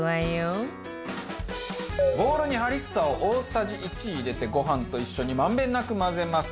ボウルにハリッサを大さじ１入れてご飯と一緒に満遍なく混ぜます。